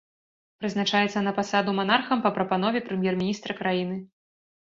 Прызначаецца на пасаду манархам па прапанове прэм'ер-міністра краіны.